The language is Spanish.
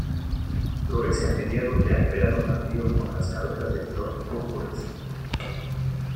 Florece a mediados de al verano tardío con las cabezas de flor púrpuras.